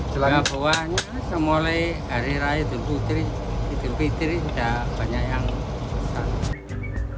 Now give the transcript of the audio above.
selangor bawahnya semuanya dari rai idul putri idul fitri banyak yang pesan